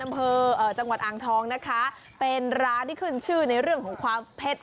อำเภอจังหวัดอ่างทองนะคะเป็นร้านที่ขึ้นชื่อในเรื่องของความเผ็ด